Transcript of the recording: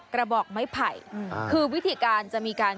กระบอกไม้ไผ่คือวิธีการจะมีการ